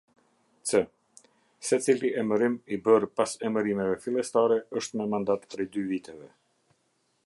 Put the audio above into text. C. Secili emërim i bërë pas emërimeve fillestare është me mandat prej dy viteve.